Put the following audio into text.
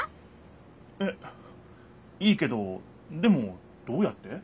えっいいけどでもどうやって？